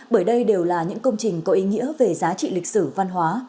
bởi đây đều là những công trình có ý nghĩa về giá trị lịch sử văn hóa